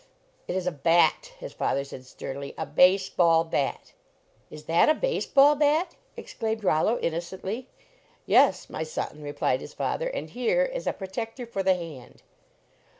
" It is a bat," his father said sternly, "a base ball bat." Is that a base ball bat ?" exclaimed Rollo , innocently. "Yes, my son," replied his father, "and here is a protector for the hand."